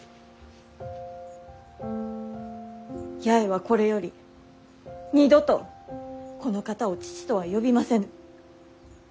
八重はこれより二度とこの方を父とは呼びませぬ。